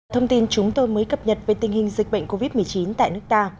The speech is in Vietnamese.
thông tin chúng tôi mới cập nhật về tình hình dịch bệnh covid một mươi chín tại nước ta